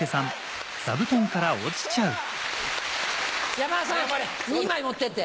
山田さん２枚持ってって。